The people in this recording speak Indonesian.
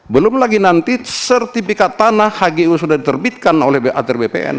belum lagi nanti sertifikat tanah hgu sudah diterbitkan oleh bater bpn